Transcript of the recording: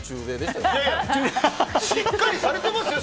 しっかりされてますよ！